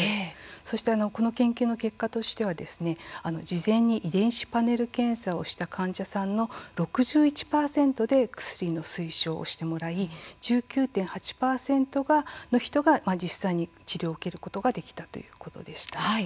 そして研究結果としては事前に遺伝子パネル検査をした患者さんの６１％で薬を推奨してもらい１９．８％の人が実際に治療を受けることができたということでした。